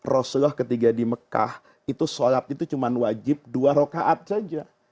rasulullah ketiga di mekah itu sholat itu cuma wajib dua rokaat saja